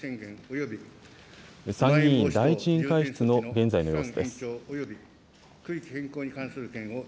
参議院第１委員会室の現在の様子です。